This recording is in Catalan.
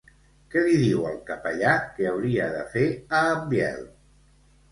Què li diu el capellà que hauria de fer a en Biel?